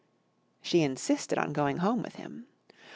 ] She insisted on going home with him.